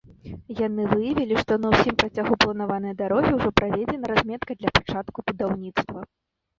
Яны выявілі, што на ўсім працягу планаванай дарогі ўжо праведзена разметка для пачатку будаўніцтва.